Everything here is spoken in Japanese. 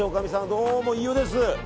どうも、飯尾です。